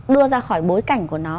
đưa ra khỏi bối cảnh của nó